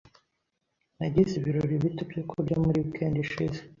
Nagize ibirori bito byo kurya muri weekend ishize.